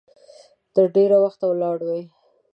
تر ډېره وخته ولاړې وي.